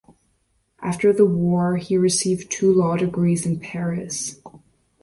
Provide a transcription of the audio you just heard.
After the war, he received two law degrees in Paris.